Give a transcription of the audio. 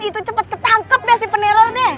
itu cepat ketangkep deh si peneror deh